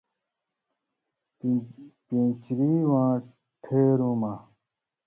پېن٘چری واں ٹھېرؤں مہ،